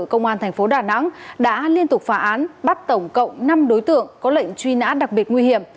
công an thành phố đà nẵng đã liên tục phá án bắt tổng cộng năm đối tượng có lệnh truy nã đặc biệt nguy hiểm